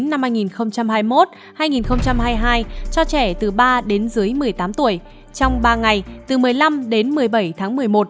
năm hai nghìn hai mươi một hai nghìn hai mươi hai cho trẻ từ ba đến dưới một mươi tám tuổi trong ba ngày từ một mươi năm đến một mươi bảy tháng một mươi một